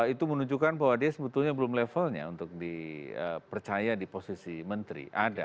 itu menunjukkan bahwa dia sebetulnya belum levelnya untuk dipercaya di posisi menteri